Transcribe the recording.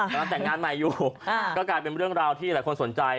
กำลังแต่งงานใหม่อยู่ก็กลายเป็นเรื่องราวที่หลายคนสนใจ